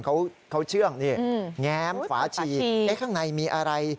เขาเขาเชื่องนี่อืมแง้มขวาชีเอ๊ะข้างในมีอะไร